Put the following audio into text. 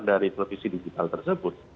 dari televisi digital tersebut